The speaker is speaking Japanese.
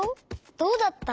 どうだった？